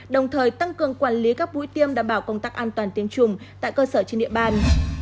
đồng thời tăng cường quản lý các mũi tiêm đảm bảo công tác an toàn tiêm chủng tại cơ sở trên địa bàn